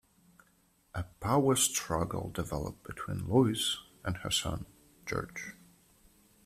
A power struggle developed between Lois and her son George.